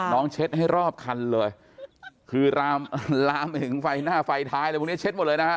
เช็ดให้รอบคันเลยคือลามไปถึงไฟหน้าไฟท้ายอะไรพวกนี้เช็ดหมดเลยนะฮะ